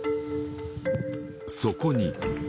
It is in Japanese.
そこに。